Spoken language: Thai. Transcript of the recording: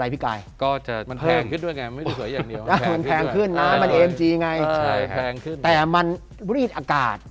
เพื่อเพิ่มแรงกดครับ